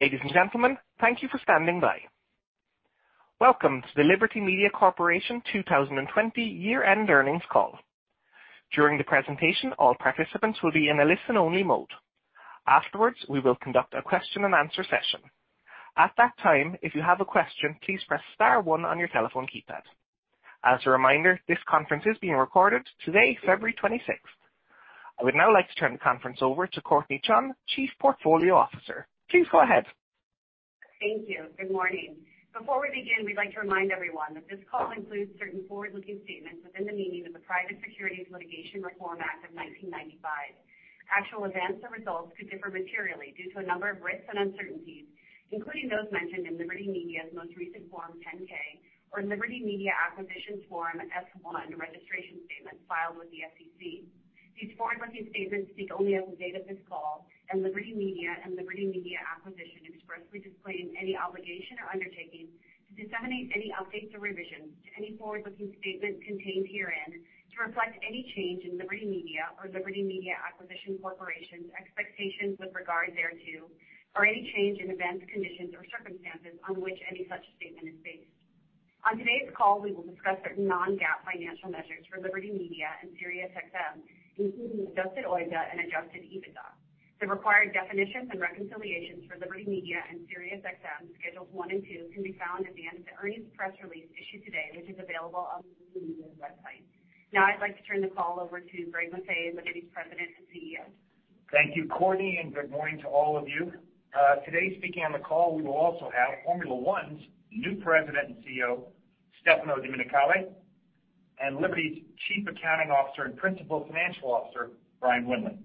Ladies and gentlemen, thank you for standing by. Welcome to the Liberty Media Corporation 2020 Year-End Earnings Call. During the presentation, all participants will be in a listen-only mode. Afterwards, we will conduct a question and answer session. At that time, if you have a question, please press star one on your telephone keypad. As a reminder, this conference is being recorded today, February 26th. I would now like to turn the conference over to Courtnee Chun, Chief Portfolio Officer. Please go ahead. Thank you. Good morning. Before we begin, we'd like to remind everyone that this call includes certain forward-looking statements within the meaning of the Private Securities Litigation Reform Act of 1995. Actual events or results could differ materially due to a number of risks and uncertainties, including those mentioned in Liberty Media's most recent Form 10-K or Liberty Media Acquisition's Form F-1 registration statement filed with the SEC. These forward-looking statements speak only as of the date of this call. Liberty Media and Liberty Media Acquisition expressly disclaim any obligation or undertaking to disseminate any updates or revisions to any forward-looking statement contained herein to reflect any change in Liberty Media or Liberty Media Acquisition Corporation's expectations with regard thereto, or any change in events, conditions, or circumstances on which any such statement is based. On today's call, we will discuss certain non-GAAP financial measures for Liberty Media and SiriusXM, including adjusted OIBDA and adjusted EBITDA. The required definitions and reconciliations for Liberty Media and SiriusXM, schedules one and two, can be found at the end of the earnings press release issued today, which is available on the Liberty Media website. I'd like to turn the call over to Greg Maffei, Liberty's President and CEO. Thank you, Courtnee, good morning to all of you. Today, speaking on the call, we will also have Formula One's new President and CEO, Stefano Domenicali, and Liberty's Chief Accounting Officer and Principal Financial Officer, Brian Wendling.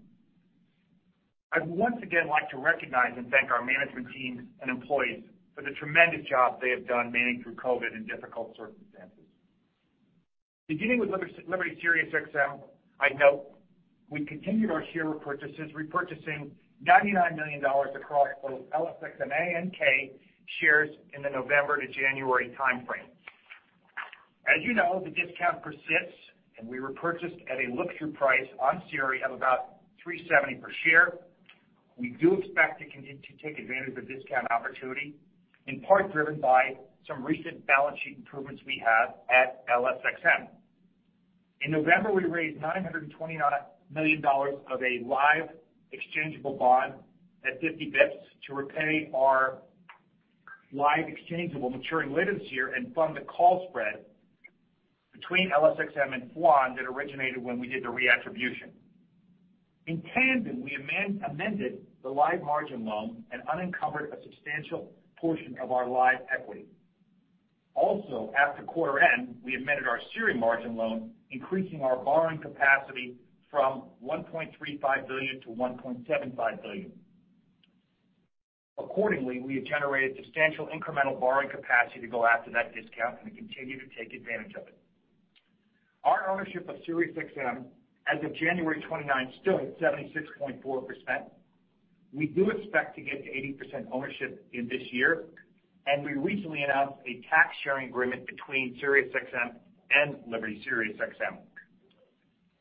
I'd once again like to recognize and thank our management teams and employees for the tremendous job they have done manning through COVID in difficult circumstances. Beginning with Liberty SiriusXM, I'd note we continued our share repurchases, repurchasing $99 million across both LSXMA and K shares in the November to January timeframe. As you know, the discount persists, we repurchased at a look-through price on Siri of about $3.70 per share. We do expect to continue to take advantage of the discount opportunity, in part driven by some recent balance sheet improvements we had at LSXM. In November, we raised $929 million of a Liberty exchangeable bond at 50 basis points to repay our Liberty exchangeable maturing later this year and fund the call spread between LSXM and FWON that originated when we did the reattribution. In tandem, we amended the Liberty margin loan and unencumbered a substantial portion of our Liberty equity. After quarter end, we amended our SiriusXM margin loan, increasing our borrowing capacity from $1.35 billion to $1.75 billion. We have generated substantial incremental borrowing capacity to go after that discount, and we continue to take advantage of it. Our ownership of SiriusXM as of January 29th stood at 76.4%. We do expect to get to 80% ownership in this year, and we recently announced a tax-sharing agreement between SiriusXM and Liberty SiriusXM.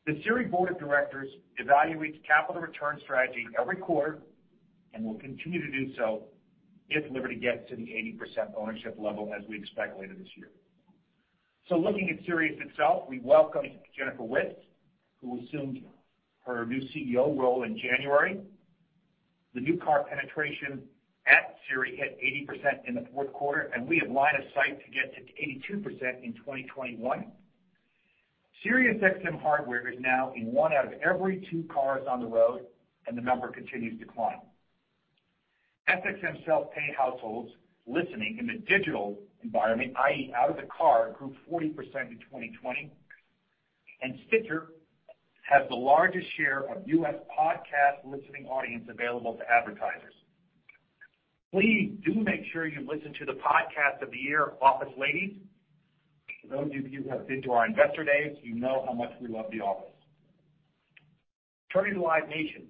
The Sirius board of directors evaluates capital return strategy every quarter and will continue to do so if Liberty gets to the 80% ownership level, as we expect later this year. Looking at Sirius itself, we welcome Jennifer Witz, who assumed her new CEO role in January. The new car penetration at Sirius hit 80% in the fourth quarter, and we have line of sight to get to 82% in 2021. SiriusXM hardware is now in one out of every two cars on the road, and the number continues to climb. SXM self-pay households listening in the digital environment, i.e., out of the car, grew 40% in 2020, and Stitcher has the largest share of U.S. podcast listening audience available to advertisers. Please do make sure you listen to the podcast of the year, "Office Ladies." For those of you who have been to our investor days, you know how much we love The Office. Turning to Live Nation,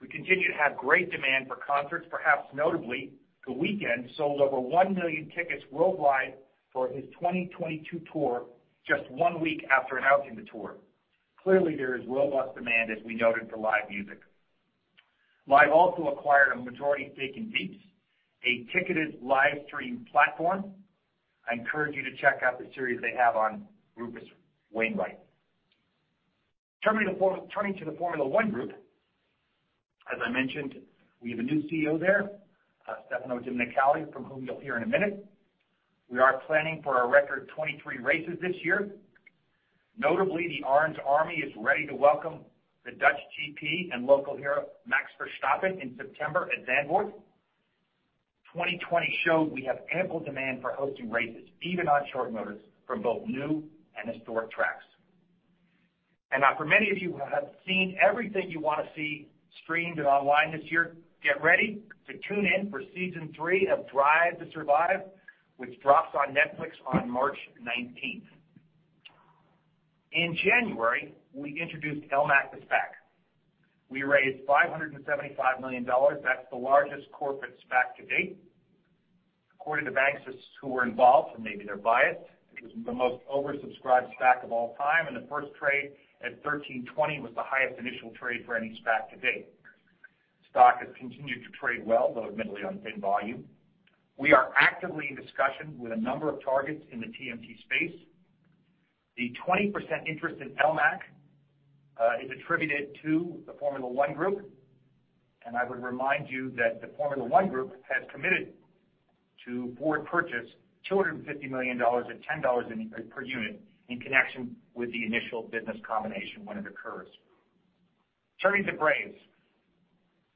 we continue to have great demand for concerts. Perhaps notably, The Weeknd sold over one million tickets worldwide for his 2022 tour just one week after announcing the tour. Clearly, there is robust demand, as we noted, for live music. Live also acquired a majority stake in Veeps, a ticketed live stream platform. I encourage you to check out the series they have on Rufus Wainwright. Turning to the Formula One Group, as I mentioned, we have a new CEO there, Stefano Domenicali, from whom you'll hear in a minute. We are planning for a record 23 races this year. Notably, the Orange Army is ready to welcome the Dutch GP and local hero, Max Verstappen, in September at Zandvoort. 2020 showed we have ample demand for hosting races, even on short notice, from both new and historic tracks. Now for many of you who have seen everything you want to see streamed and online this year, get ready to tune in for season three of "Drive to Survive," which drops on Netflix on March 19th. In January, we introduced LMAC as SPAC. We raised $575 million. That's the largest corporate SPAC to date. According to bank assistants who were involved, and maybe they're biased, it was the most oversubscribed stock of all time, and the first trade at $13.20 was the highest initial trade for any stock to date. Stock has continued to trade well, though admittedly on thin volume. We are actively in discussion with a number of targets in the TMT space. The 20% interest in LMAC is attributed to the Formula One Group. I would remind you that the Formula One Group has committed to forward purchase $250 million at $10 per unit in connection with the initial business combination when it occurs. Turning to Braves.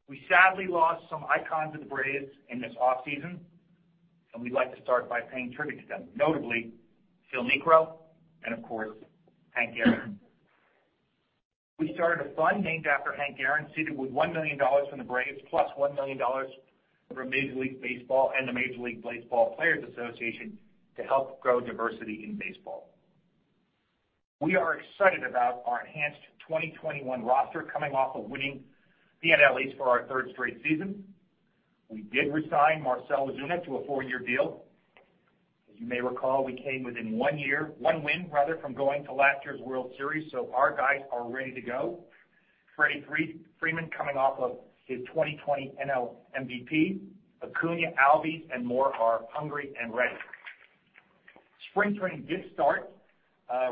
We sadly lost some icons of the Braves in this off-season. We'd like to start by paying tribute to them, notably Phil Niekro and, of course, Hank Aaron. We started a fund named after Hank Aaron, seeded with $1 million from the Braves, plus $1 million from Major League Baseball and the Major League Baseball Players Association to help grow diversity in baseball. We are excited about our enhanced 2021 roster coming off of winning the NL East for our third straight season. We did resign Marcell Ozuna to a four-year deal. As you may recall, we came within one year, one win rather, from going to last year's World Series. Our guys are ready to go. Freddie Freeman coming off of his 2020 NL MVP. Acuña, Albies, and more are hungry and ready. Spring training did start,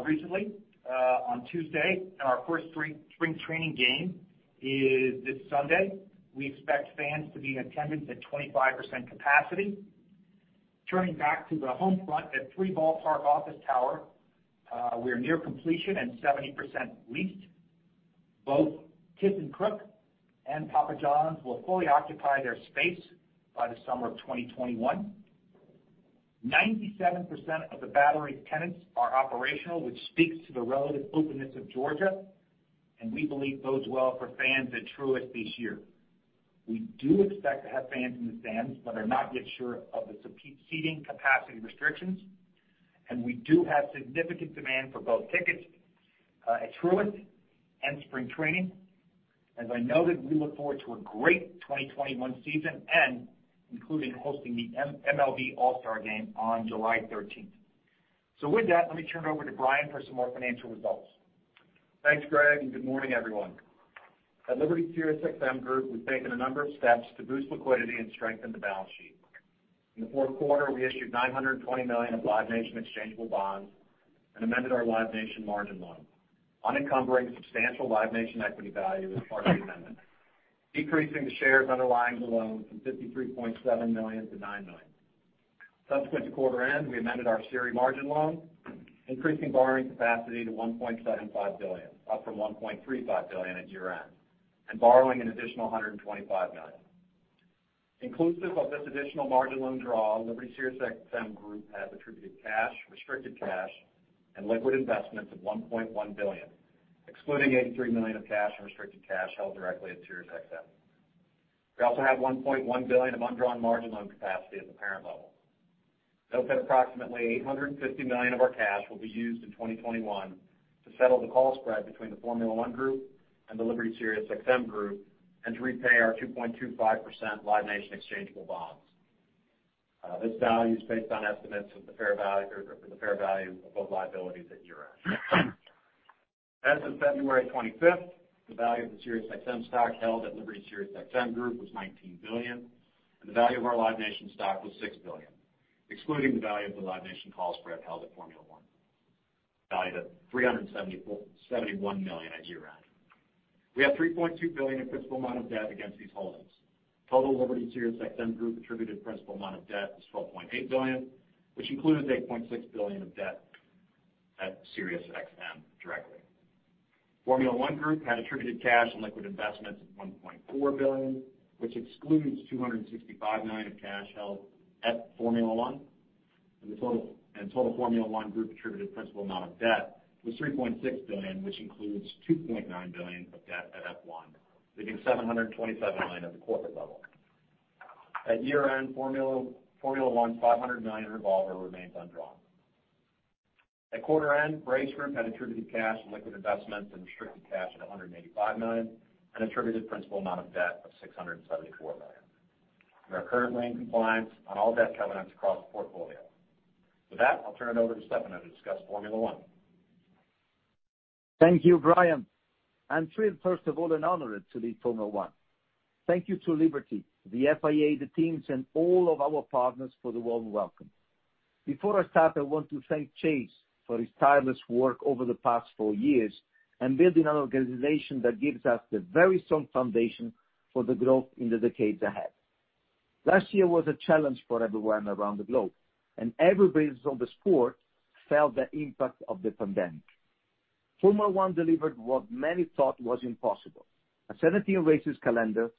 recently, on Tuesday. Our first spring training game is this Sunday. We expect fans to be in attendance at 25% capacity. Turning back to the home front at Three Ballpark office tower, we're near completion and 70% leased. Both Thyssenkrupp and Papa Johns will fully occupy their space by the summer of 2021. 97% of the Battery tenants are operational, which speaks to the relative openness of Georgia, and we believe bodes well for fans at Truist this year. We do expect to have fans in the stands, but are not yet sure of the seating capacity restrictions, and we do have significant demand for both tickets at Truist and spring training. As I noted, we look forward to a great 2021 season and including hosting the MLB All-Star Game on July 13th. With that, let me turn it over to Brian for some more financial results. Thanks, Greg, and good morning, everyone. At Liberty SiriusXM Group, we've taken a number of steps to boost liquidity and strengthen the balance sheet. In the fourth quarter, we issued $920 million of Live Nation exchangeable bonds and amended our Live Nation margin loan. Unencumbering substantial Live Nation equity value as part of the amendment, decreasing the shares underslying the loan from 53.7 million to 9 million. Subsequent to quarter end, we amended our Siri margin loan, increasing borrowing capacity to $1.75 billion, up from $1.35 billion at year-end, and borrowing an additional $125 million. Inclusive of this additional margin loan draw, Liberty SiriusXM Group has attributed cash, restricted cash, and liquid investments of $1.1 billion, excluding 83 million of cash and restricted cash held directly at SiriusXM. We also have $1.1 billion of undrawn margin loan capacity at the parent level. Note that approximately $850 million of our cash will be used in 2021 to settle the call spread between the Formula One Group and the Liberty SiriusXM Group and to repay our 2.25% Live Nation exchangeable bonds. This value is based on estimates of the fair value, or the fair value of both liabilities at year-end. As of February 25th, the value of the SiriusXM stock held at Liberty SiriusXM Group was $19 billion, and the value of our Live Nation stock was $6 billion, excluding the value of the Live Nation call spread held at Formula One, valued at $371 million at year-end. We have $3.2 billion in principal amount of debt against these holdings. Total Liberty SiriusXM Group attributed principal amount of debt was $12.8 billion, which includes $8.6 billion of debt at SiriusXM directly. Formula One Group had attributed cash and liquid investments of $1.4 billion, which excludes $265 million of cash held at Formula One. The total Formula One Group attributed principal amount of debt was $3.6 billion, which includes $2.9 billion of debt at F1, leaving $727 million at the corporate level. At year-end, Formula One's $500 million revolver remains undrawn. At quarter end, Braves Group had attributed cash and liquid investments and restricted cash at $185 million and attributed principal amount of debt of $674 million. We are currently in compliance on all debt covenants across the portfolio. With that, I'll turn it over to Stefano to discuss Formula One. Thank you, Brian. I'm thrilled first of all, and honored to lead Formula One. Thank you to Liberty, the FIA, the teams, and all of our partners for the warm welcome. Before I start, I want to thank Chase for his tireless work over the past four years and building an organization that gives us the very strong foundation for the growth in the decades ahead. Last year was a challenge for everyone around the globe, everybody who's on the sport felt the impact of the pandemic. Formula One delivered what many thought was impossible. A 17 races calendar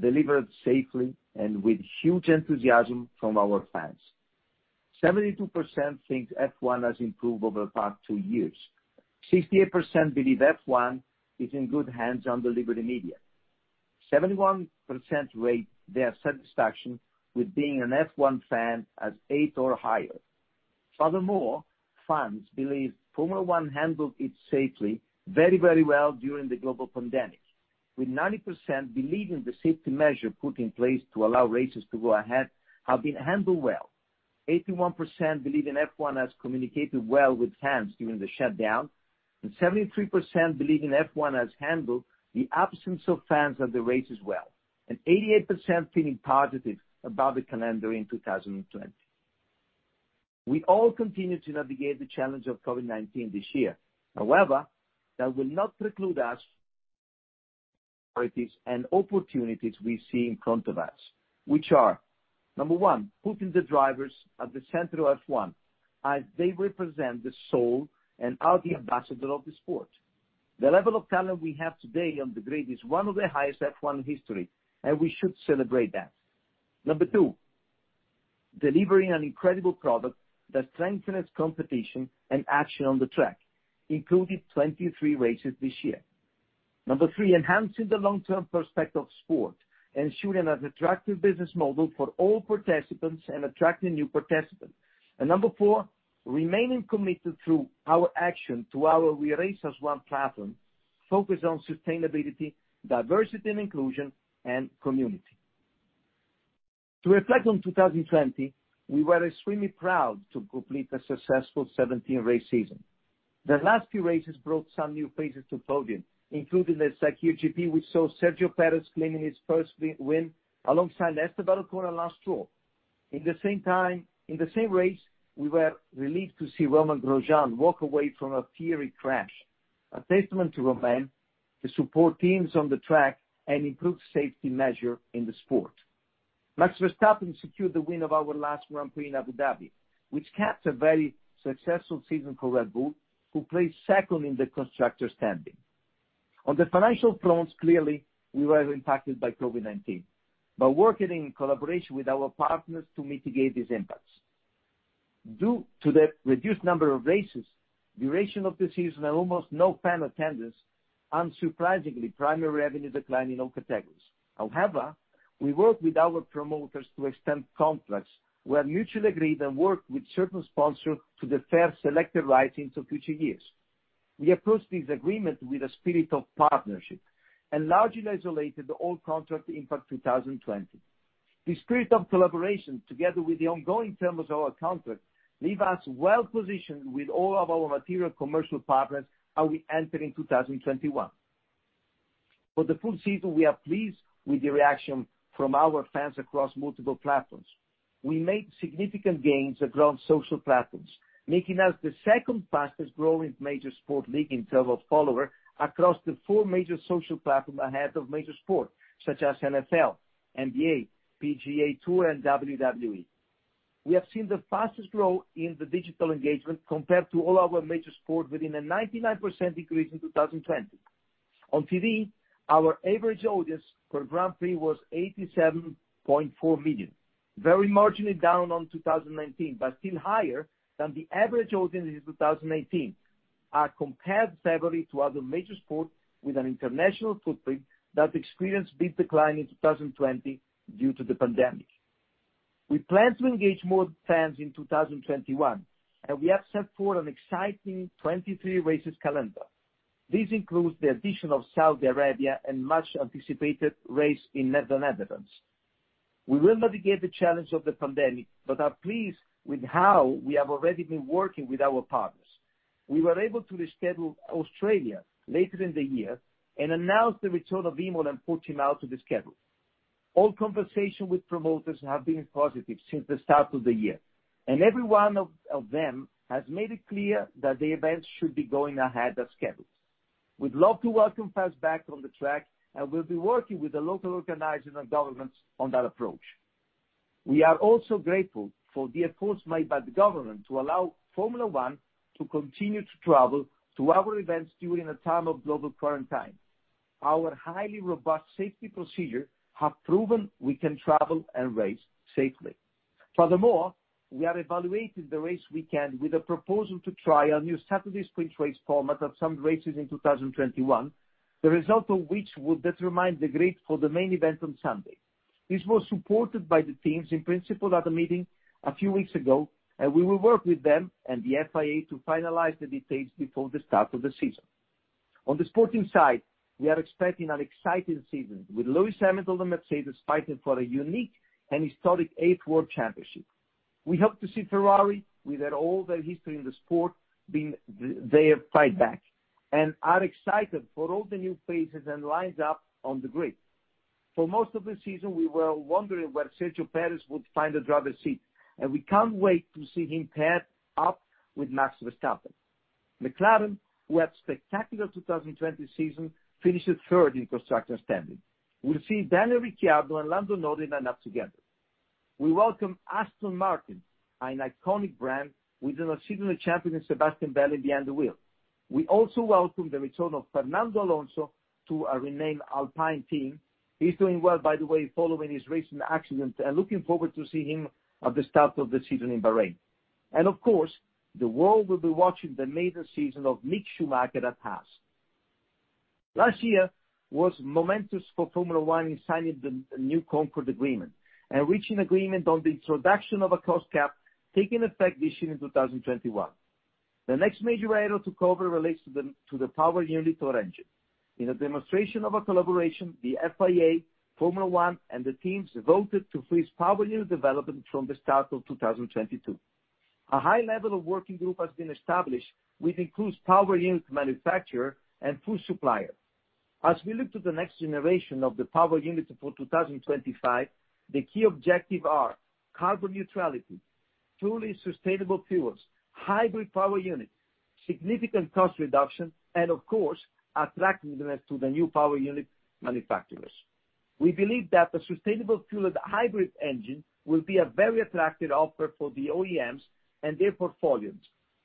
delivered safely and with huge enthusiasm from our fans. 72% think F1 has improved over the past two years. 68% believe F1 is in good hands under Liberty Media. 71% rate their satisfaction with being an F1 fan as eight or higher. Fans believe Formula One handled it safely very well during the global pandemic, with 90% believing the safety measure put in place to allow races to go ahead have been handled well. 81% believe F1 has communicated well with fans during the shutdown, 73% believe F1 has handled the absence of fans at the races well, and 88% feeling positive about the calendar in 2020. We all continue to navigate the challenge of COVID-19 this year. That will not preclude us and opportunities we see in front of us, which are, number one, putting the drivers at the center of F1, as they represent the soul and are the ambassador of the sport. The level of talent we have today on the grid is one of the highest F1 in history. We should celebrate that. Number two, delivering an incredible product that strengthens competition and action on the track, including 23 races this year. Number three, enhancing the long-term perspective of sport, ensuring an attractive business model for all participants and attracting new participants. Number four, remaining committed through our action to our We Race as One platform, focused on sustainability, diversity and inclusion, and community. To reflect on 2020, we were extremely proud to complete a successful 17-race season. The last few races brought some new faces to podium, including the Sakhir GP, which saw Sergio Pérez claiming his first win, alongside Esteban Ocon and Lance Stroll. In the same race, we were relieved to see Romain Grosjean walk away from a fiery crash, a testament to Romain, the support teams on the track, and improved safety measure in the sport. Max Verstappen secured the win of our last Grand Prix in Abu Dhabi, which capped a very successful season for Red Bull, who placed second in the constructor standing. On the financial front, clearly, we were impacted by COVID-19, but working in collaboration with our partners to mitigate these impacts. Due to the reduced number of races, duration of the season, and almost no fan attendance, unsurprisingly, primary revenue declined in all categories. However, we worked with our promoters to extend contracts where mutually agreed and worked with certain sponsors to defer selected rights into future years. We approached this agreement with a spirit of partnership and largely isolated the old contract impact 2020. The spirit of collaboration, together with the ongoing terms of our contract, leave us well-positioned with all of our material commercial partners as we enter in 2021. For the full season, we are pleased with the reaction from our fans across multiple platforms. We made significant gains across social platforms, making us the second fastest-growing major sport league in terms of follower across the four major social platform ahead of major sport, such as NFL, NBA, PGA Tour, and WWE. We have seen the fastest growth in the digital engagement compared to all our major sport within a 99% increase in 2020. On TV, our average audience per Grand Prix was 87.4 million, very marginally down on 2019, but still higher than the average audience in 2018, and compared favorably to other major sports with an international footprint that experienced big decline in 2020 due to the pandemic. We plan to engage more fans in 2021, we have set for an exciting 23 races calendar. This includes the addition of Saudi Arabia and much-anticipated race in Netherlands. We will navigate the challenge of the pandemic, are pleased with how we have already been working with our partners. We were able to reschedule Australia later in the year and announce the return of Imola and Portimão to the schedule. All conversation with promoters have been positive since the start of the year, every one of them has made it clear that the events should be going ahead as scheduled. We'd love to welcome fans back on the track, we'll be working with the local organizers and governments on that approach. We are also grateful for the efforts made by the government to allow Formula One to continue to travel to our events during a time of global quarantine. Our highly robust safety procedure have proven we can travel and race safely. Furthermore, we are evaluating the race weekend with a proposal to try a new Saturday sprint race format at some races in 2021, the result of which will determine the grid for the main event on Sunday. This was supported by the teams in principle at a meeting a few weeks ago. We will work with them and the FIA to finalize the details before the start of the season. On the sporting side, we are expecting an exciting season, with Lewis Hamilton and Mercedes fighting for a unique and historic eighth World Championship. We hope to see Ferrari, with all their history in the sport, they fight back and are excited for all the new faces and lineups on the grid. For most of the season, we were wondering where Sergio Pérez would find a driver's seat. We can't wait to see him paired up with Max Verstappen. McLaren, who had spectacular 2020 season, finishes third in Constructor Standings. We'll see Daniel Ricciardo and Lando Norris line up together. We welcome Aston Martin, an iconic brand, with an outstanding champion in Sebastian Vettel behind the wheel. We also welcome the return of Fernando Alonso to a renamed Alpine team. He's doing well, by the way, following his recent accident. Looking forward to see him at the start of the season in Bahrain. Of course, the world will be watching the major season of Mick Schumacher at Haas. Last year was momentous for Formula One in signing the new Concorde Agreement and reaching agreement on the introduction of a cost cap, taking effect this year in 2021. The next major area to cover relates to the power unit or engine. In a demonstration of our collaboration, the FIA, Formula One, and the teams voted to freeze power unit development from the start of 2022. A high level of working group has been established, which includes power unit manufacturer and fuel supplier. As we look to the next generation of the power units for 2025, the key objective are carbon neutrality, truly sustainable fuels, hybrid power units, significant cost reduction, and of course, attractiveness to the new power unit manufacturers. We believe that the sustainable fueled hybrid engine will be a very attractive offer for the OEMs and their portfolios,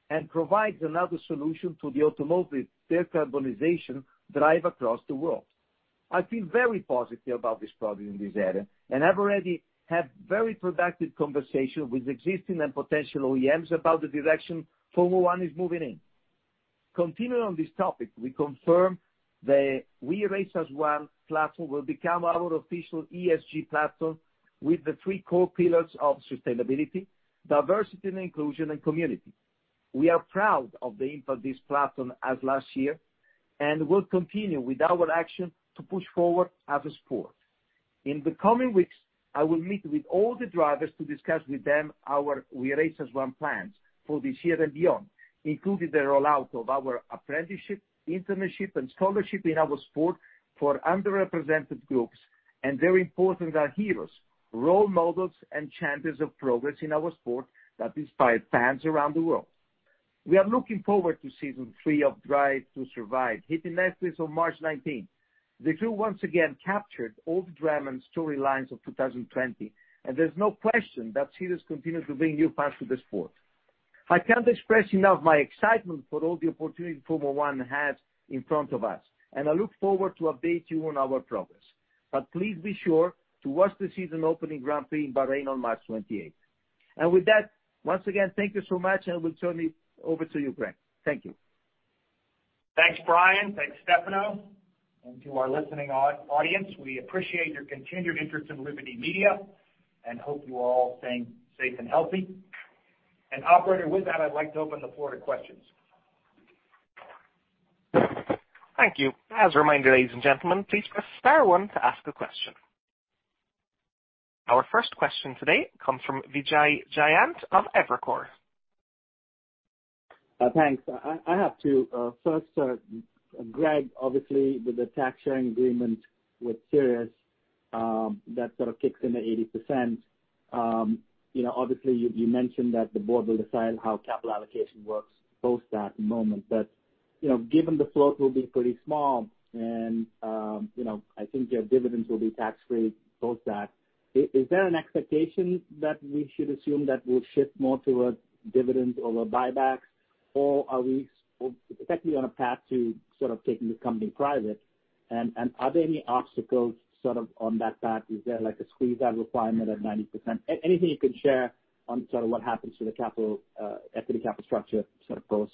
and provides another solution to the automotive decarbonization drive across the world. I feel very positive about this progress in this area, and have already had very productive conversation with existing and potential OEMs about the direction Formula One is moving in. Continuing on this topic, we confirm the We Race as One platform will become our official ESG platform with the three core pillars of sustainability, diversity and inclusion, and community. We are proud of the impact of this platform as last year, and will continue with our action to push forward as a sport. In the coming weeks, I will meet with all the drivers to discuss with them our We Race as One plans for this year and beyond, including the rollout of our apprenticeship, internship, and scholarship in our sport for underrepresented groups, and very important are heroes, role models, and champions of progress in our sport that inspire fans around the world. We are looking forward to season three of "Drive to Survive," hitting Netflix on March 19th. The crew once again captured all the drama and storylines of 2020, and there's no question that series continues to bring new fans to the sport. I can't express enough my excitement for all the opportunities Formula One has in front of us, and I look forward to update you on our progress. Please be sure to watch the season opening Grand Prix in Bahrain on March 28th. With that, once again, thank you so much, and will turn it over to you, Greg. Thank you. Thanks, Brian. Thanks, Stefano. To our listening audience, we appreciate your continued interest in Liberty Media, and hope you're all staying safe and healthy. Operator, with that, I'd like to open the floor to questions. Thank you. As a reminder, ladies and gentlemen, please press star one to ask a question. Our first question today comes from Vijay Jayant of Evercore. Thanks. I have to first, Greg, with the tax sharing agreement with Sirius that sort of kicks in at 80%, you mentioned that the board will decide how capital allocation works post that moment. Given the float will be pretty small and I think your dividends will be tax-free post that, is there an expectation that we should assume that we'll shift more towards dividends over buybacks? Are we effectively on a path to sort of taking the company private? Are there any obstacles sort of on that path? Is there like a squeeze out requirement at 90%? Anything you can share on sort of what happens to the equity capital structure sort of post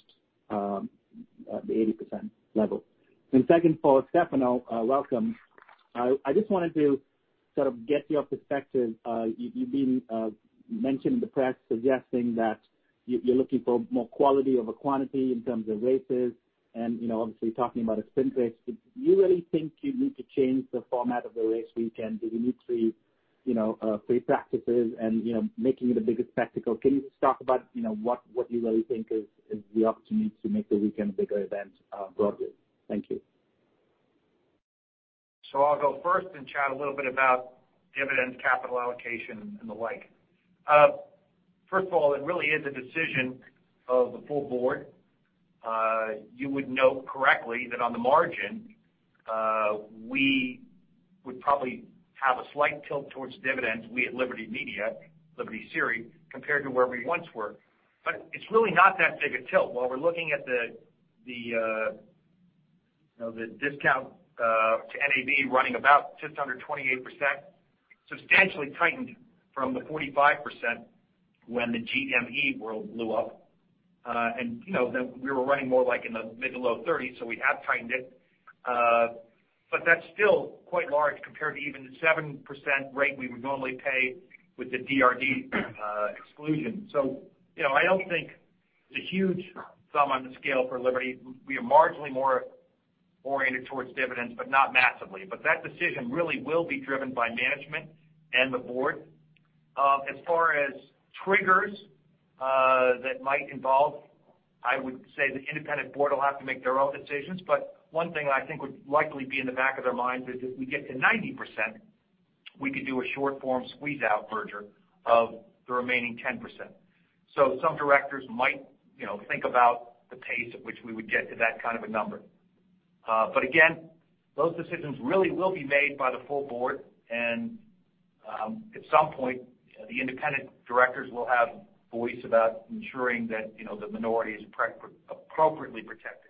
the 80% level. Second, for Stefano, welcome. I just wanted to sort of get your perspective. You've been mentioned in the press suggesting that you're looking for more quality over quantity in terms of races and obviously talking about a sprint race. Do you really think you need to change the format of the race weekend? Do you need free practices and making it a bigger spectacle? Can you just talk about what you really think is the opportunity to make the weekend a bigger event broadly? Thank you. I'll go first and chat a little bit about dividends, capital allocation, and the like. First of all, it really is a decision of the full board. You would note correctly that on the margin, we would probably have a slight tilt towards dividends, we at Liberty Media, Liberty Sirius, compared to where we once were. It's really not that big a tilt. While we're looking at the discount to NAV running about just under 28%, substantially tightened from the 45% when the [GME] world blew up. We were running more like in the mid to low 30s, we have tightened it. That's still quite large compared to even the 7% rate we would normally pay with the DRD exclusion. I don't think it's a huge thumb on the scale for Liberty. We are marginally more oriented towards dividends, but not massively. That decision really will be driven by management and the board. As far as triggers that might involve, I would say the independent board will have to make their own decisions. One thing I think would likely be in the back of their minds is if we get to 90%, we could do a short form squeeze out merger of the remaining 10%. Some directors might think about the pace at which we would get to that kind of a number. Again, those decisions really will be made by the full board, and at some point, the independent directors will have voice about ensuring that the minority is appropriately protected.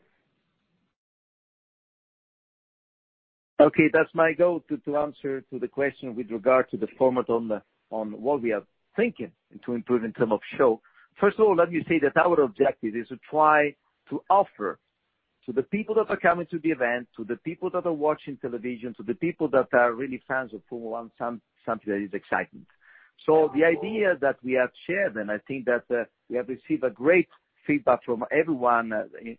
Okay, that's my go-to answer to the question with regard to the format on what we are thinking to improve in terms of show. First of all, let me say that our objective is to try to offer to the people that are coming to the event, to the people that are watching television, to the people that are really fans of Formula One, something that is exciting. The idea that we have shared, and I think that we have received a great feedback from everyone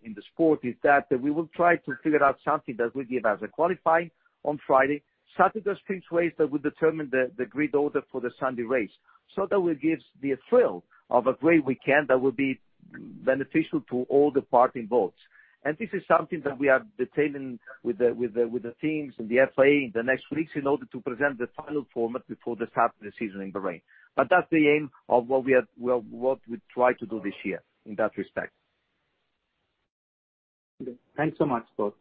in the sport, is that we will try to figure out something that will give us a qualifying on Friday, Saturday sprint race that will determine the grid order for the Sunday race, so that will give the thrill of a great weekend that will be beneficial to all the parties involved. This is something that we are detailing with the teams and the FIA in the next weeks in order to present the final format before the start of the season in Bahrain. That's the aim of what we try to do this year in that respect. Okay, thanks so much, both.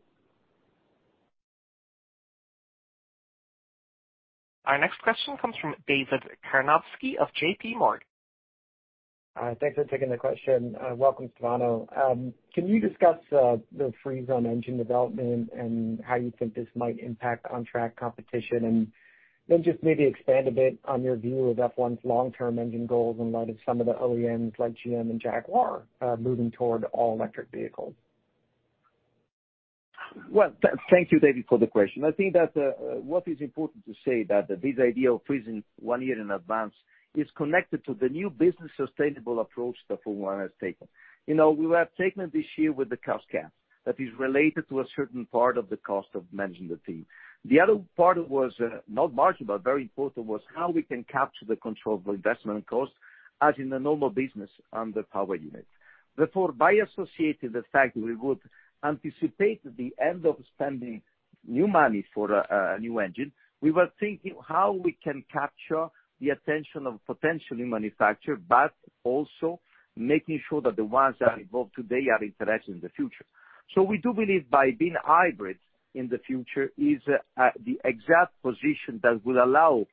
Our next question comes from David Karnovsky of JPMorgan. Thanks for taking the question. Welcome, Stefano. Can you discuss the freeze on engine development and how you think this might impact on-track competition? Then just maybe expand a bit on your view of F1's long-term engine goals in light of some of the OEMs like GM and Jaguar, moving toward all-electric vehicles. Well, thank you, David, for the question. I think that what is important to say that this idea of freezing one year in advance is connected to the new business sustainable approach that Formula One has taken. We were taken this year with the cost cap that is related to a certain part of the cost of managing the team. The other part was not marginal, but very important, was how we can capture the controllable investment cost as in a normal business under power unit. By associating the fact we would anticipate the end of spending new money for a new engine, we were thinking how we can capture the attention of potentially manufacture, but also making sure that the ones that are involved today are interested in the future. We do believe by being hybrid in the future is the exact position that will allow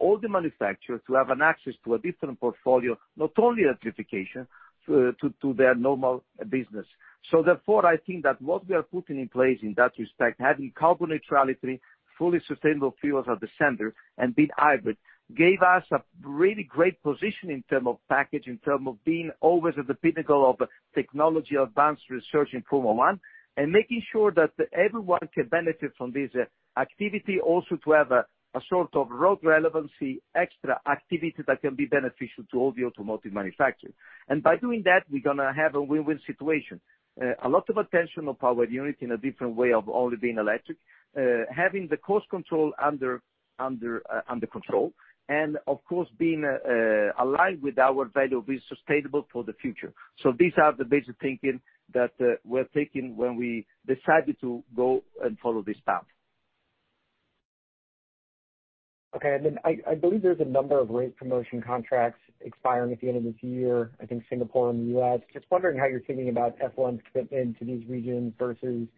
all the manufacturers to have an access to a different portfolio, not only electrification, to their normal business. Therefore, I think that what we are putting in place in that respect, having carbon neutrality, fully sustainable fuels at the center, and being hybrid, gave us a really great position in terms of package, in terms of being always at the pinnacle of technology advanced research in Formula One, and making sure that everyone can benefit from this activity also to have a sort of road relevancy, extra activity that can be beneficial to all the automotive manufacturers. By doing that, we're going to have a win-win situation. A lot of attention on power unit in a different way of only being electric, having the cost under control, and of course, being aligned with our value of being sustainable for the future. These are the basic thinking that we're taking when we decided to go and follow this path. Okay, I believe there's a number of race promotion contracts expiring at the end of this year, I think Singapore and the U.S. Just wondering how you're thinking about F1's commitment to these regions versus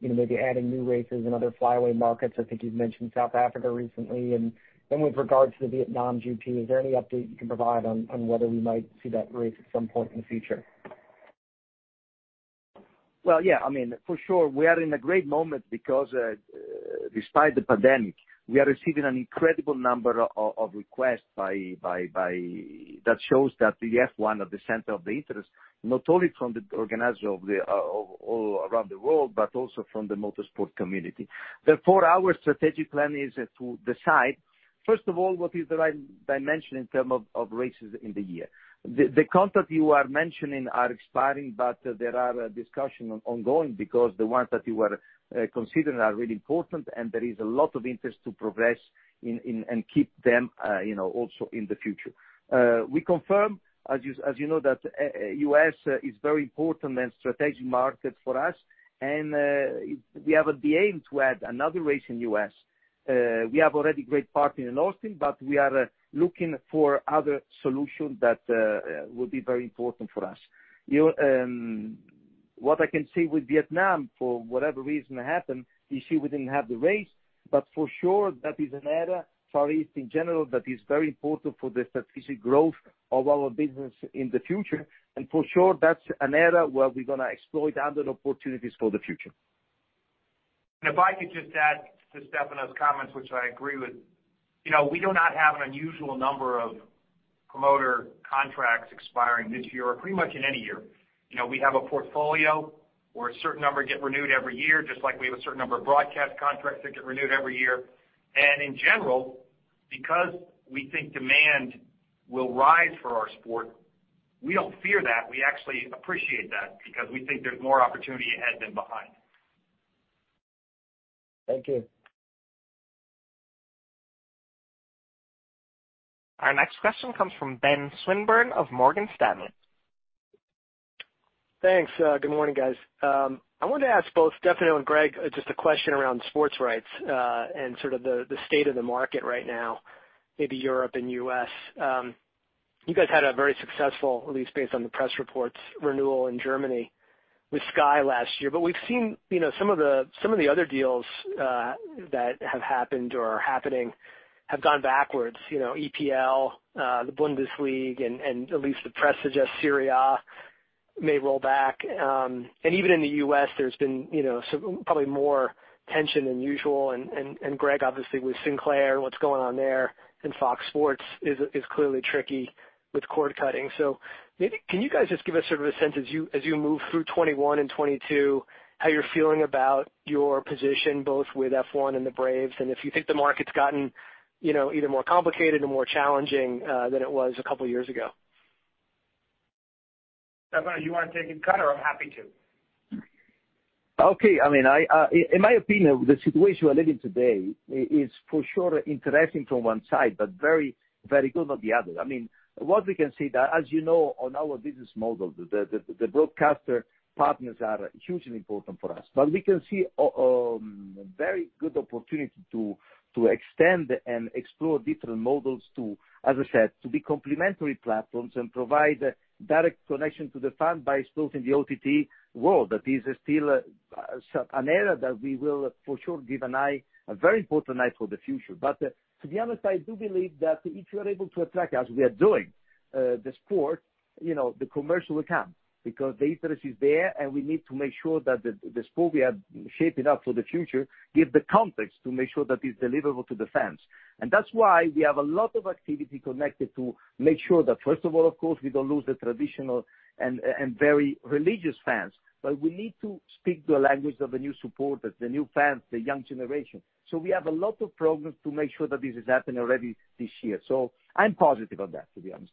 maybe adding new races in other flyaway markets. I think you've mentioned South Africa recently. With regards to the Vietnam GP, is there any update you can provide on whether we might see that race at some point in the future? Yeah, for sure. We are in a great moment because, despite the pandemic, we are receiving an incredible number of requests that shows that the F1 at the center of the interest, not only from the organizer all around the world, but also from the motorsport community. Our strategic plan is to decide, first of all, what is the right dimension in term of races in the year. The contract you are mentioning are expiring, but there are discussions ongoing because the ones that you are considering are really important, and there is a lot of interest to progress and keep them also in the future. We confirm, as you know, that U.S. is very important and strategic market for us, and we have the aim to add another race in U.S. We have already great partner in Austin. We are looking for other solution that will be very important for us. What I can say with Vietnam, for whatever reason happened, this year we didn't have the race. For sure that is an area, Far East in general, that is very important for the strategic growth of our business in the future. For sure, that's an area where we're going to explore other opportunities for the future. If I could just add to Stefano's comments, which I agree with. We do not have an unusual number of promoter contracts expiring this year or pretty much in any year. We have a portfolio where a certain number get renewed every year, just like we have a certain number of broadcast contracts that get renewed every year. In general, because we think demand will rise for our sport, we don't fear that. We actually appreciate that because we think there's more opportunity ahead than behind. Thank you. Our next question comes from Ben Swinburne of Morgan Stanley. Thanks. Good morning, guys. I wanted to ask both Stefano and Greg just a question around sports rights, and sort of the state of the market right now, maybe Europe and U.S. you guys had a very successful, at least based on the press reports, renewal in Germany with Sky last year. We've seen some of the other deals that have happened or are happening have gone backwards. EPL, the Bundesliga, and at least the press suggests Serie A. May roll back. Even in the U.S., there's been probably more tension than usual. Greg, obviously, with Sinclair, what's going on there, and Fox Sports is clearly tricky with cord-cutting. Maybe can you guys just give us sort of a sense as you move through 2021 and 2022, how you're feeling about your position, both with F1 and the Braves, and if you think the market's gotten either more complicated or more challenging, than it was a couple of years ago. Stefano, do you want to take it? Go, or I'm happy to. Okay. In my opinion, the situation we're living today is for sure interesting from one side, but very good on the other. What we can see that, as you know, on our business model, the broadcaster partners are hugely important for us. We can see a very good opportunity to extend and explore different models to, as I said, to be complementary platforms and provide direct connection to the fan base, both in the OTT world. That is still an area that we will, for sure, give an eye, a very important eye for the future. To be honest, I do believe that if you are able to attract, as we are doing, the sport, the commercial account. Because the interest is there, and we need to make sure that the sport we are shaping up for the future give the context to make sure that it's deliverable to the fans. That's why we have a lot of activity connected to make sure that, first of all, of course, we don't lose the traditional and very religious fans, but we need to speak the language of the new supporters, the new fans, the young generation. We have a lot of progress to make sure that this has happened already this year. I'm positive on that, to be honest.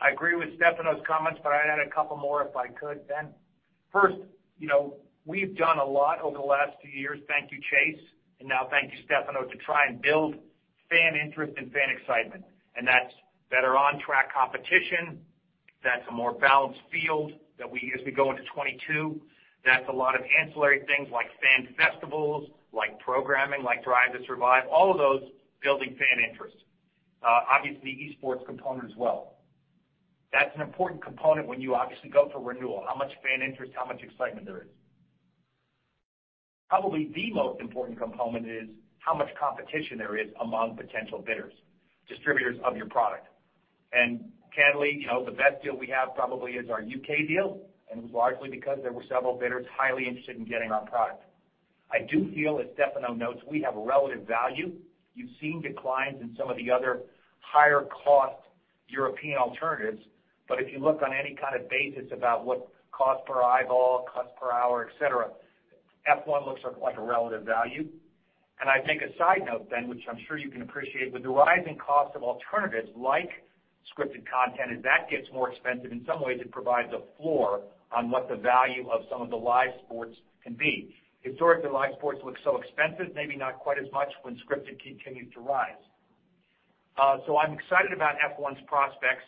I agree with Stefano's comments. I'd add a couple more if I could, Ben. First, we've done a lot over the last few years, thank you, Chase. Now thank you, Stefano, to try and build fan interest and fan excitement. That's better on-track competition. That's a more balanced field as we go into 2022. That's a lot of ancillary things like fan festivals, like programming, like Drive to Survive, all of those building fan interest. Obviously, esports component as well. That's an important component when you obviously go for renewal. How much fan interest, how much excitement there is. Probably the most important component is how much competition there is among potential bidders, distributors of your product. Candidly, the best deal we have probably is our U.K. deal, and it was largely because there were several bidders highly interested in getting our product. I do feel, as Stefano notes, we have a relative value. You've seen declines in some of the other higher-cost European alternatives, but if you look on any kind of basis about what cost per eyeball, cost per hour, et cetera, F1 looks like a relative value. I think a side note, Ben, which I'm sure you can appreciate, with the rising cost of alternatives like scripted content, as that gets more expensive, in some ways, it provides a floor on what the value of some of the live sports can be. Historically, live sports look so expensive, maybe not quite as much when scripted continues to rise. I'm excited about F1's prospects,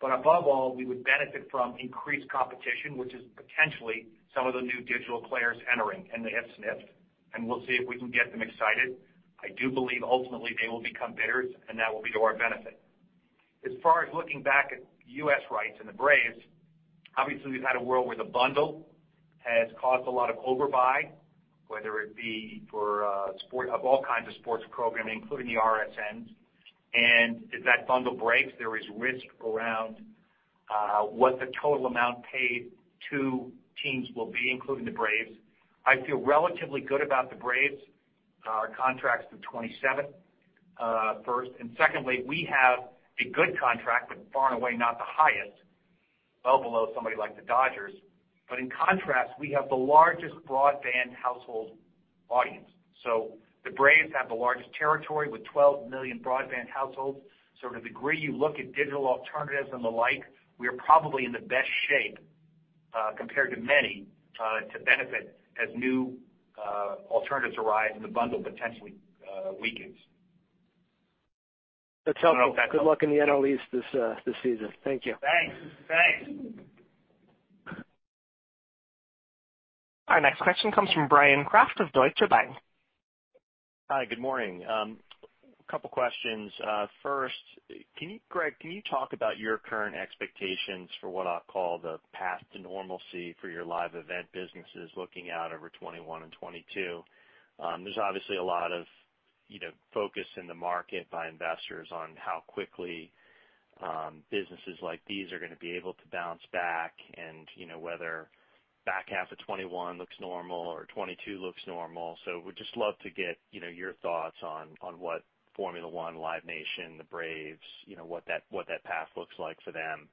but above all, we would benefit from increased competition, which is potentially some of the new digital players entering, and they have sniffed, and we'll see if we can get them excited. I do believe ultimately they will become bidders, and that will be to our benefit. As far as looking back at U.S. rights and the Braves, obviously, we've had a world where the bundle has caused a lot of overbuy, whether it be for all kinds of sports programming, including the RSNs. If that bundle breaks, there is risk around what the total amount paid to teams will be, including the Braves. I feel relatively good about the Braves contracts through 2027, first. Secondly, we have a good contract, but far and away, not the highest. Well below somebody like the Dodgers. In contrast, we have the largest broadband household audience. The Braves have the largest territory with 12 million broadband households. To the degree you look at digital alternatives and the like, we are probably in the best shape, compared to many, to benefit as new alternatives arise and the bundle potentially weakens. That's helpful. I'll hand it back over. Good luck in the NL East this season. Thank you. Thanks. Our next question comes from Bryan Kraft of Deutsche Bank. Hi, good morning. Couple questions. First, Greg, can you talk about your current expectations for what I'll call the path to normalcy for your live event businesses looking out over 2021 and 2022? There's obviously a lot of focus in the market by investors on how quickly businesses like these are going to be able to bounce back and whether back half of 2021 looks normal or 2022 looks normal. Would just love to get your thoughts on what Formula One, Live Nation, the Braves, what that path looks like for them.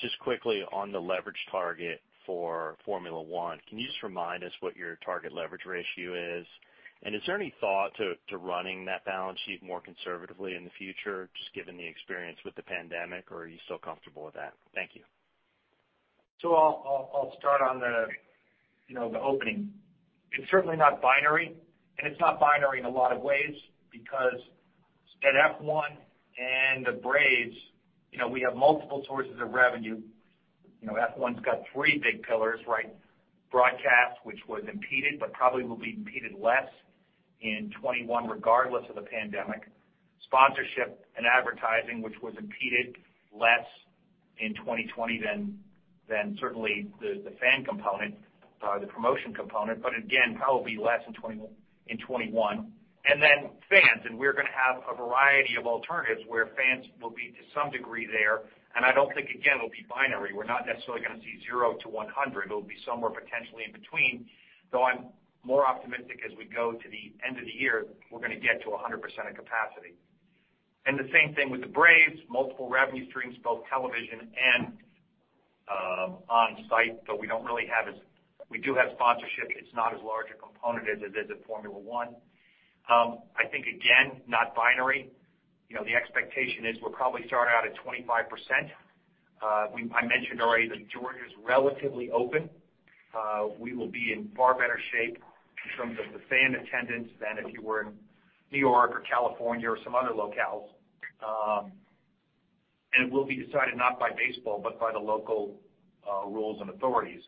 Just quickly on the leverage target for Formula One, can you just remind us what your target leverage ratio is? Is there any thought to running that balance sheet more conservatively in the future, just given the experience with the pandemic, or are you still comfortable with that? Thank you. I'll start on the opening. It's certainly not binary, it's not binary in a lot of ways because at F1 and the Braves, we have multiple sources of revenue. F1's got three big pillars, right? Broadcast, which was impeded, but probably will be impeded less in 2021, regardless of the pandemic. Sponsorship and advertising, which was impeded less in 2020 than certainly the fan component, the promotion component, but again, probably less in 2021. Then fans, and we're going to have a variety of alternatives where fans will be, to some degree, there, and I don't think, again, it'll be binary. We're not necessarily going to see zero to 100. It'll be somewhere potentially in between, though I'm more optimistic as we go to the end of the year, we're going to get to 100% of capacity. The same thing with the Braves, multiple revenue streams, both television and on-site, but we do have sponsorship. It's not as large a component as it is at Formula One. I think, again, not binary. The expectation is we'll probably start out at 25%. I mentioned already that Georgia's relatively open. We will be in far better shape in terms of the fan attendance than if you were in New York or California or some other locales. It will be decided not by baseball, but by the local rules and authorities.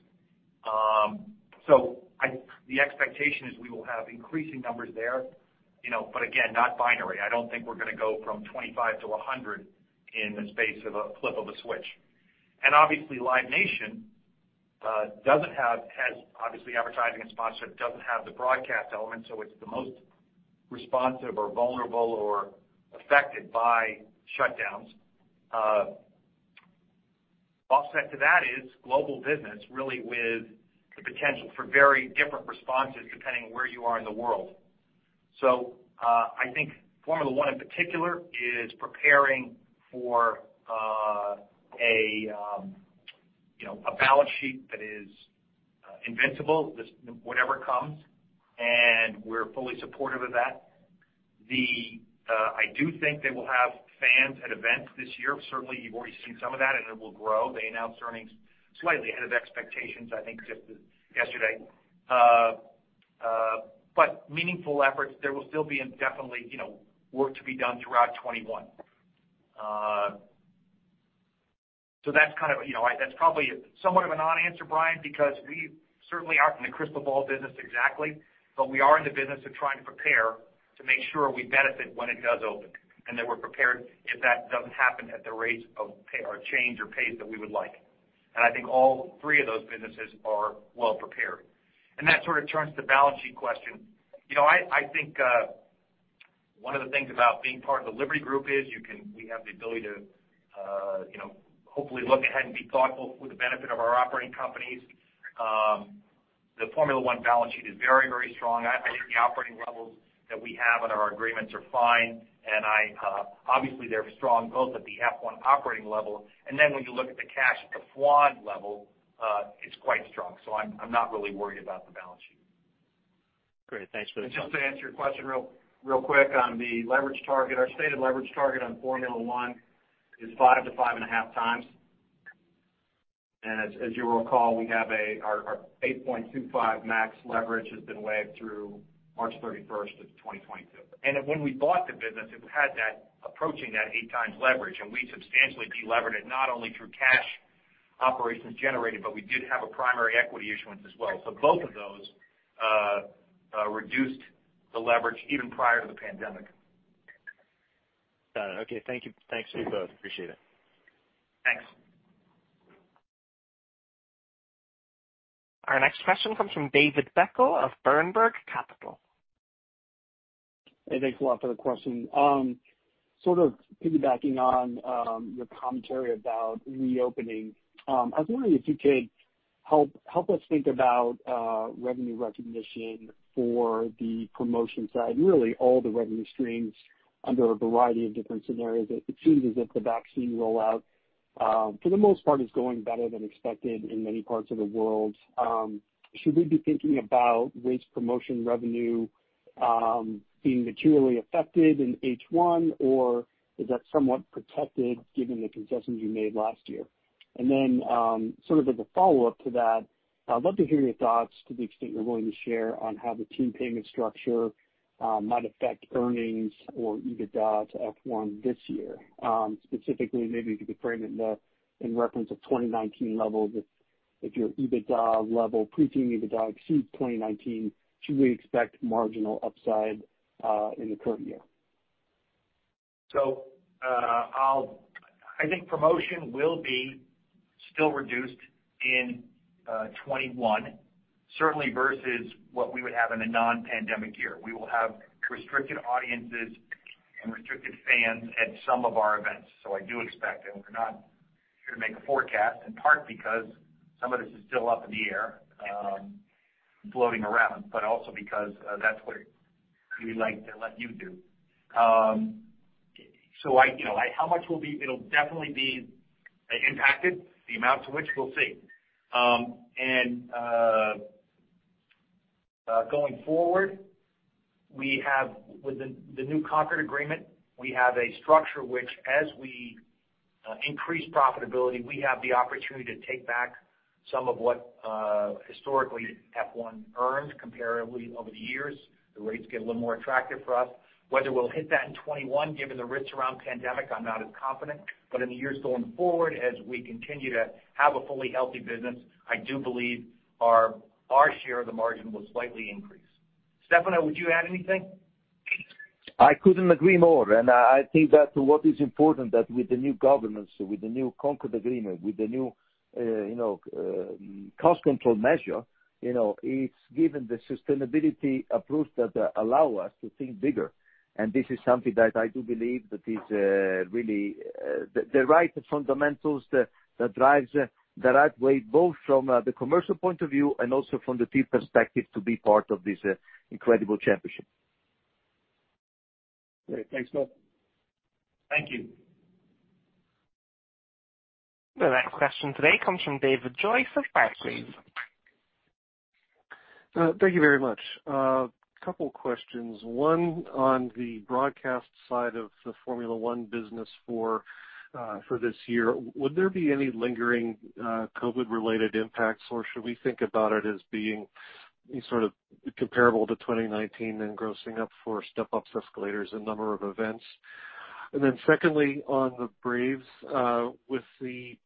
The expectation is we will have increasing numbers there, but again, not binary. I don't think we're going to go from 25 to 100 in the space of a flip of a switch. Obviously, Live Nation has obviously advertising and sponsorship, doesn't have the broadcast element, so it's the most responsive or vulnerable or affected by shutdowns. Offset to that is global business, really with the potential for very different responses depending on where you are in the world. I think Formula One, in particular, is preparing for a balance sheet that is invincible, whatever comes, and we're fully supportive of that. I do think they will have fans at events this year. Certainly, you've already seen some of that, and it will grow. They announced earnings slightly ahead of expectations, I think, yesterday. Meaningful efforts, there will still be indefinitely work to be done throughout 2021. That's probably somewhat of a non-answer, Bryan, because we certainly aren't in the crystal ball business exactly, but we are in the business of trying to prepare to make sure we benefit when it does open and that we're prepared if that doesn't happen at the rates of pay or change or pace that we would like. I think all three of those businesses are well prepared. That sort of turns to the balance sheet question. I think one of the things about being part of the Liberty Group is we have the ability to hopefully look ahead and be thoughtful for the benefit of our operating companies. The Formula One balance sheet is very, very strong. I think the operating levels that we have on our agreements are fine. Obviously, they're strong both at the F1 operating level, and then when you look at the cash at the F1 level, it's quite strong. I'm not really worried about the balance sheet. Great. Thanks for. Just to answer your question real quick on the leverage target. Our stated leverage target on Formula One is 5x-5.5x. As you'll recall, our 8.25 max leverage has been waived through March 31st of 2022. When we bought the business, it had that approaching that 8x leverage, and we substantially de-levered it, not only through cash operations generated, but we did have a primary equity issuance as well. Both of those reduced the leverage even prior to the pandemic. Got it. Okay, thank you. Thanks to you both. Appreciate it. Thanks. Our next question comes from David Beckel of Berenberg Capital. Hey, thanks a lot for the question. Sort of piggybacking on your commentary about reopening, I was wondering if you could help us think about revenue recognition for the promotion side, really all the revenue streams under a variety of different scenarios. It seems as if the vaccine rollout, for the most part, is going better than expected in many parts of the world. Should we be thinking about race promotion revenue being materially affected in H1, or is that somewhat protected given the concessions you made last year? As a follow-up to that, I'd love to hear your thoughts to the extent you're willing to share on how the team payment structure might affect earnings or EBITDA to F1 this year. Specifically, maybe you could frame it in reference of 2019 levels. If your EBITDA level, pre-team EBITDA exceeds 2019, should we expect marginal upside in the current year? I think promotion will be still reduced in 2021, certainly versus what we would have in a non-pandemic year. We will have restricted audiences and restricted fans at some of our events. I do expect it. We're not here to make a forecast, in part because some of this is still up in the air floating around, but also because that's what we like to let you do. It'll definitely be impacted. The amount to which, we'll see. Going forward, with the new Concorde Agreement, we have a structure which as we increase profitability, we have the opportunity to take back some of what historically F1 earned comparably over the years. The rates get a little more attractive for us. Whether we'll hit that in 2021, given the risks around pandemic, I'm not as confident. In the years going forward, as we continue to have a fully healthy business, I do believe our share of the margin will slightly increase. Stefano, would you add anything? I couldn't agree more. I think that what is important that with the new governance, with the new Concorde Agreement, with the new cost control measure, it's given the sustainability approach that allow us to think bigger. This is something that I do believe that is really the right fundamentals that drives the right way, both from the commercial point of view and also from the team perspective to be part of this incredible championship. Great. Thanks, Rob. Thank you. The next question today comes from David Joyce of Barclays. Thank you very much. Couple questions. One on the broadcast side of the Formula One business for this year. Would there be any lingering COVID-related impacts, or should we think about it as being comparable to 2019, then grossing up for step-ups, escalators, and number of events? Then secondly, on the Braves, with the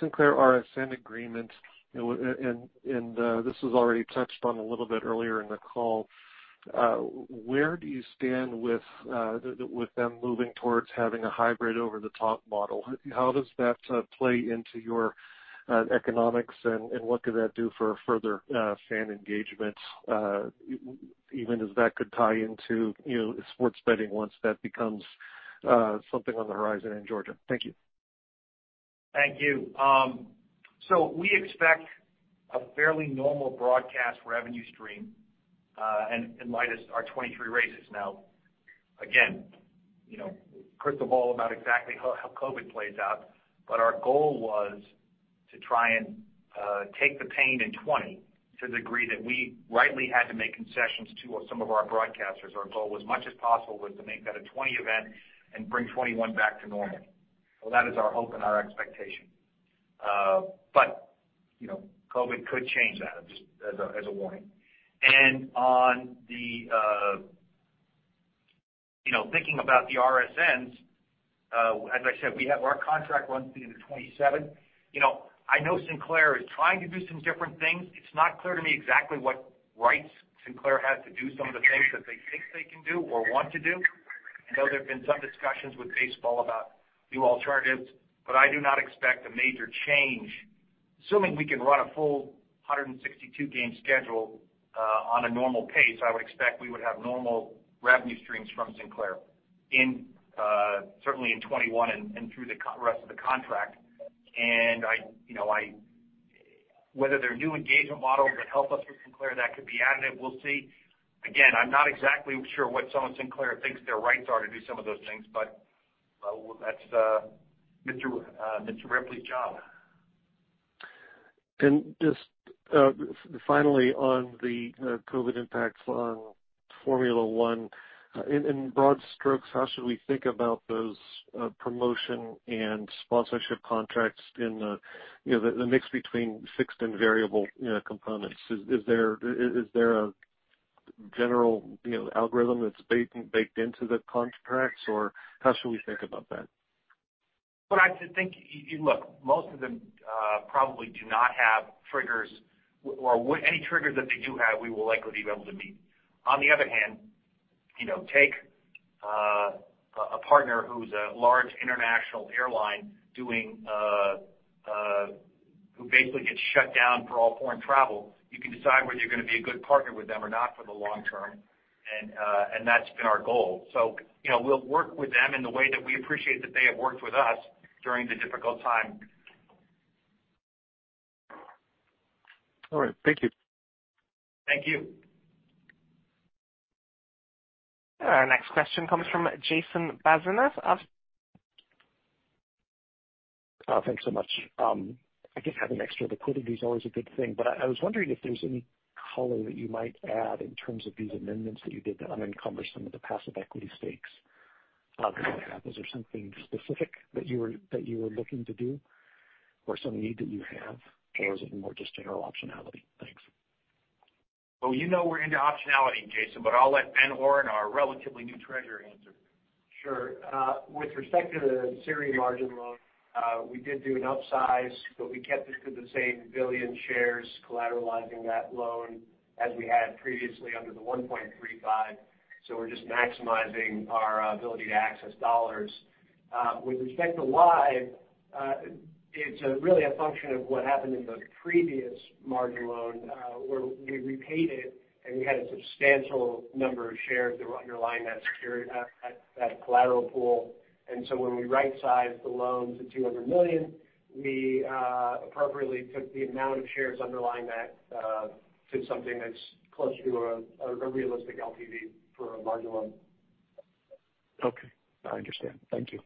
Sinclair RSN agreement, and this was already touched on a little bit earlier in the call, where do you stand with them moving towards having a hybrid over-the-top model? How does that play into your economics, and what could that do for further fan engagement even as that could tie into sports betting once that becomes something on the horizon in Georgia? Thank you. Thank you. We expect a fairly normal broadcast revenue stream in light of our 23 races. Now, again, crystal ball about exactly how COVID plays out, but our goal was to try and take the pain in 2020 to the degree that we rightly had to make concessions to some of our broadcasters. Our goal as much as possible was to make that a 2020 event and bring 2021 back to normal. That is our hope and our expectation. COVID could change that, as a warning. Thinking about the RSNs, as I said, our contract runs through to 2027. I know Sinclair is trying to do some different things. It's not clear to me exactly what rights Sinclair has to do some of the things that they think they can do or want to do. I know there have been some discussions with baseball about new alternatives, but I do not expect a major change. Assuming we can run a full 162-game schedule on a normal pace, I would expect we would have normal revenue streams from Sinclair certainly in 2021 and through the rest of the contract. Whether their new engagement models would help us with Sinclair, that could be additive, we'll see. Again, I'm not exactly sure what some of Sinclair thinks their rights are to do some of those things, but that's Mr. Ripley's job. Just finally on the COVID impacts on Formula One. In broad strokes, how should we think about those promotion and sponsorship contracts in the mix between fixed and variable components? Is there a general algorithm that's baked into the contracts, or how should we think about that? Look, most of them probably do not have triggers, or any triggers that they do have, we will likely be able to meet. On the other hand, take a partner who's a large international airline who basically gets shut down for all foreign travel. You can decide whether you're going to be a good partner with them or not for the long term, and that's been our goal. We'll work with them in the way that we appreciate that they have worked with us during the difficult time. All right. Thank you. Thank you. Our next question comes from Jason Bazinet. Thanks so much. I guess having extra liquidity is always a good thing, but I was wondering if there's any color that you might add in terms of these amendments that you did to unencumber some of the passive equity stakes that happened. Is there something specific that you were looking to do or some need that you have in terms of more just general optionality? Thanks. Well, you know we're into optionality, Jason, but I'll let Ben Oren, our relatively new treasurer, answer. Sure. With respect to the Sirius margin loan, we did do an upsize, we kept it to the same one billion shares collateralizing that loan as we had previously under the 1.35. We're just maximizing our ability to access dollars. With respect to Live, it's really a function of what happened in the previous margin loan where we repaid it and we had a substantial number of shares that were underlying that collateral pool. When we right-sized the loan to $200 million, we appropriately took the amount of shares underlying that to something that's closer to a realistic LTV for a margin loan. Okay, I understand. Thank you.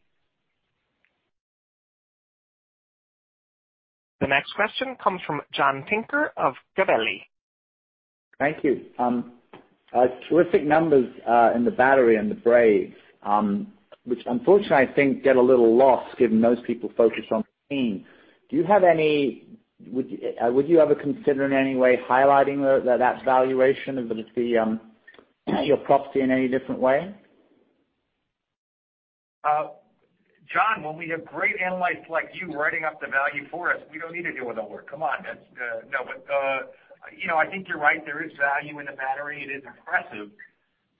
The next question comes from John Tinker of Gabelli. Thank you. Terrific numbers in The Battery and the Braves, which unfortunately I think get a little lost given most people focus on the team. Would you ever consider in any way highlighting that valuation of your property in any different way? John, when we have great analysts like you writing up the value for us, we don't need to do all the work. Come on. I think you're right. There is value in The Battery. It is impressive,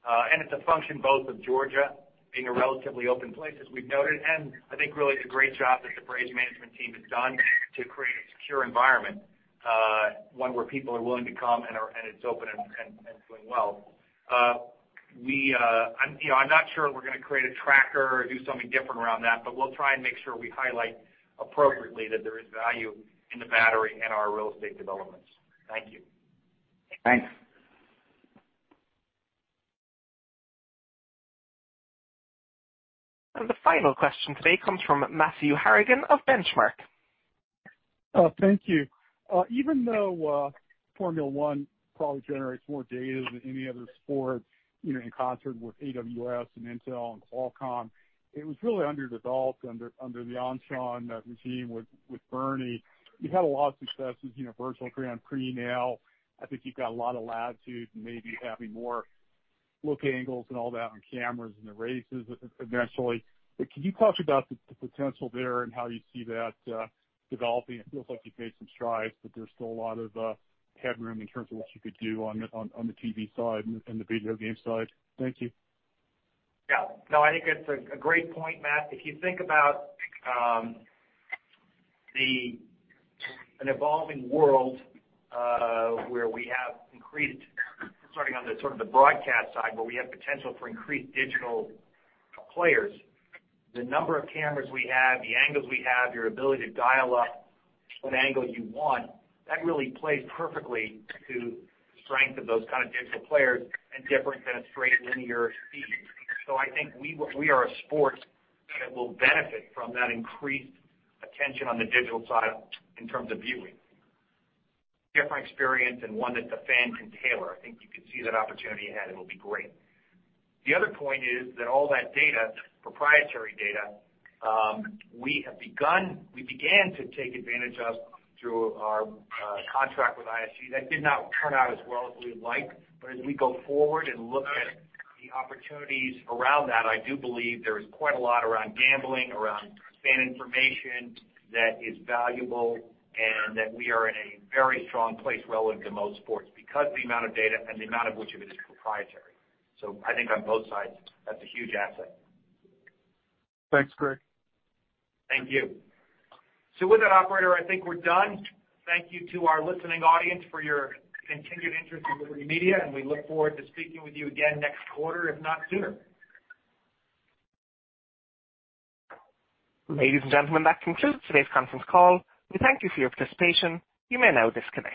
and it's a function both of Georgia being a relatively open place, as we've noted, and I think really the great job that the Braves management team has done to create a secure environment, one where people are willing to come, and it's open and doing well. I'm not sure we're going to create a tracker or do something different around that, but we'll try and make sure we highlight appropriately that there is value in The Battery and our real estate developments. Thank you. Thanks. The final question today comes from Matthew Harrigan of Benchmark. Thank you. Even though Formula One probably generates more data than any other sport in concert with AWS and Intel and Qualcomm, it was really underdeveloped under the ancien régime with Bernie. You've had a lot of success with virtual Grand Prix now. I think you've got a lot of latitude in maybe having more look angles and all that on cameras in the races eventually. Can you talk about the potential there and how you see that developing? It feels like you've made some strides, but there's still a lot of headroom in terms of what you could do on the TV side and the video game side. Thank you. Yeah. No, I think that's a great point, Matthew. If you think about an evolving world where we have increased, starting on the sort of the broadcast side, but we have potential for increased digital players. The number of cameras we have, the angles we have, your ability to dial up what angle you want, that really plays perfectly to the strength of those kind of digital players and different kind of straight linear feeds. I think we are a sport that will benefit from that increased attention on the digital side in terms of viewing. Different experience and one that the fan can tailor. I think you can see that opportunity ahead. It'll be great. The other point is that all that data, proprietary data, we began to take advantage of through our contract with ISG. That did not turn out as well as we would like, but as we go forward and look at the opportunities around that, I do believe there is quite a lot around gambling, around fan information that is valuable and that we are in a very strong place relative to most sports because of the amount of data and the amount of which of it is proprietary. I think on both sides, that's a huge asset. Thanks, Greg. Thank you. With that, operator, I think we're done. Thank you to our listening audience for your continued interest in Liberty Media, and we look forward to speaking with you again next quarter, if not sooner. Ladies and gentlemen, that concludes today's conference call. We thank you for your participation. You may now disconnect.